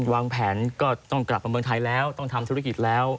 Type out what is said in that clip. วางแผนก็ต้องกลับมาเมืองไทยแล้วต้องทำธุรกิจแล้ว